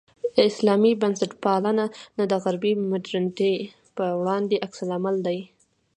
اسلامي بنسټپالنه د غربي مډرنیتې پر وړاندې عکس العمل دی.